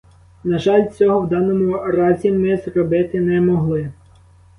На жаль, цього в даному разі ми зробити не могли.